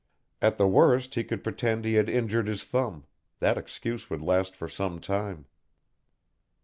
At the worst he could pretend he had injured his thumb that excuse would last for some time.